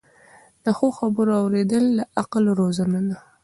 د ښو خبرو اوریدل د عقل روزنه ده.